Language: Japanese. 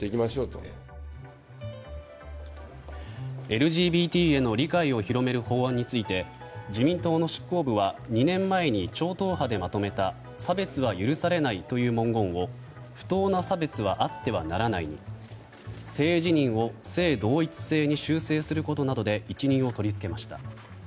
ＬＧＢＴへの理解を広める法案について自民党の執行部は２年前に超党派でまとめた差別は許されないという文言を不当な差別はあってはならないに性自認を性同一性に修正することなどで一任を取り付けました。